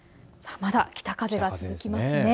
まだ北風が続きますね。